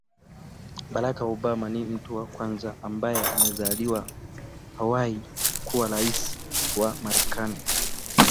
Barack Obama ni mtu wa kwanza ambae amezaliwa Hawaii kuwa rais wa marekani